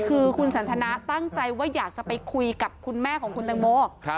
คือคุณสันทนาตั้งใจว่าอยากจะไปคุยกับคุณแม่ของคุณแตงโม